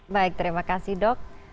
baik terima kasih dok